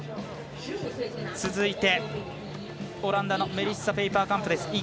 続いて、オランダのメリッサ・ペイパーカンプです。